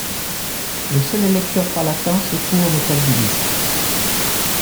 Le seul électeur palatin secourt nos calvinistes.